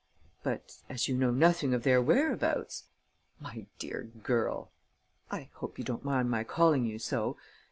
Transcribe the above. "But, as you know nothing of their whereabouts...." "My dear girl I hope you don't mind my calling you so?